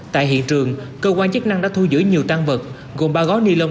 tại hiện trường cơ quan chức năng đã thu giữ nhiều tăng vật gồm ba gói ni lông